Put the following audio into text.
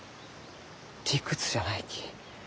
理屈じゃないき。